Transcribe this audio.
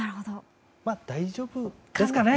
大丈夫ですかね。